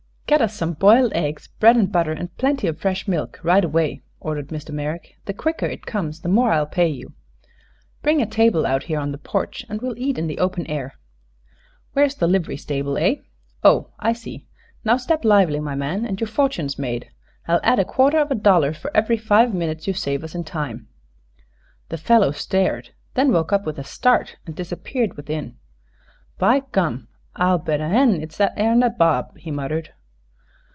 "Get us some boiled eggs, bread and butter and plenty of fresh milk right away," ordered Mr. Merrick. "The quicker it comes the more I'll pay you. Bring a table out here on the porch and we'll eat in the open air. Where's the livery stable eh? Oh, I see. Now, step lively, my man, and your fortune's made. I'll add a quarter of a dollar for every five minutes you save us in time." The fellow stared, then woke up with a start and disappeared within. "By gum, I'll bet a hen it's thet air nabob!" he muttered.